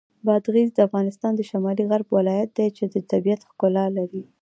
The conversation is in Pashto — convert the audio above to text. بادغیس د افغانستان د شمال غرب ولایت دی چې د طبیعت ښکلا لري.